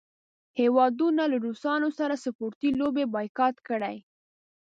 هیوادونو له روسانو سره سپورټي لوبې بایکاټ کړې.